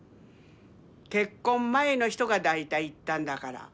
結婚前の人が大体行ったんだから。